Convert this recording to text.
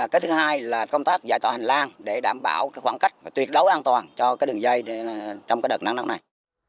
cái thứ hai là công tác giải tỏa hành lang để đảm bảo khoảng cách tuyệt đối an toàn cho đường dây trong đợt nắng nắng này